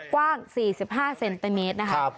กว้าง๔๕เซนติเมตรนะคะ